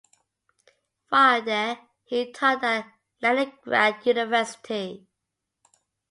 While there, he taught at Leningrad University.